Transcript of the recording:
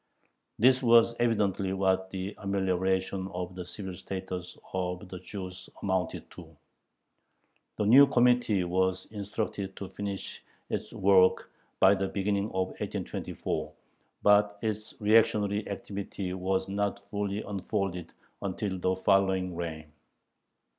This was evidently what "the amelioration of the civil status" of the Jews amounted to. The new Committee was instructed to finish its work by the beginning of 1824, but its reactionary activity was not fully unfolded until the following reign.